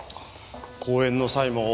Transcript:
公演の際も。